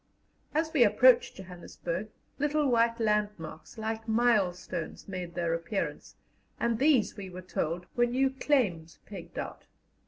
As we approached Johannesburg, little white landmarks like milestones made their appearance, and these, we were told, were new claims pegged out.